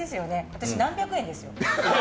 私、何百円ですよ。